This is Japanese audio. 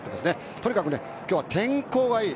とにかく今日は天候がいい。